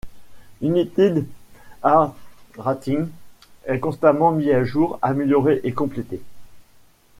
United Art Rating est constamment mis à jour, amélioré et complété.